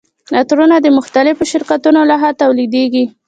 عطرونه د مختلفو شرکتونو لخوا تولیدیږي.